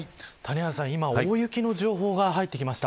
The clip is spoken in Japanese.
今大雪の情報が入ってきました。